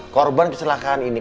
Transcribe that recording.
korban kesalahan ini